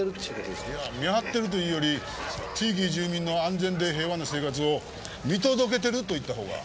見張ってるというより地域住民の安全で平和な生活を見届けてると言った方が。